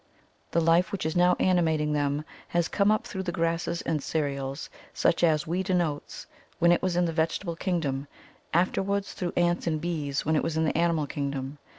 The life which is now animating them has come up through grasses and cereals, such as wheat and oats, when it was in the vegetable kingdom, afterwards through ants and bees when it was in the animal kingdom.